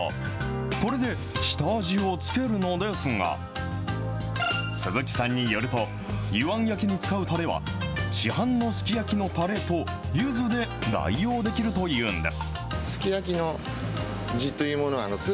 これで下味をつけるのですが、鈴木さんによると、柚庵焼きに使うたれは、市販のすき焼きのたれとゆずで代用できるというんです。